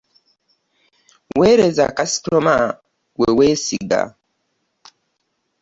Wereza kasitoma gwe weesiga.